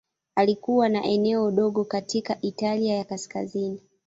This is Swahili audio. Alikuwa na eneo dogo katika Italia ya Kaskazini.